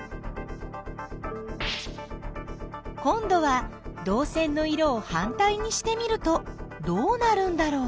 こんどはどう線の色をはんたいにしてみるとどうなるんだろう？